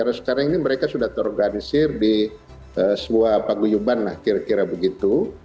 karena sekarang ini mereka sudah terorganisir di sebuah paguyuban lah kira kira begitu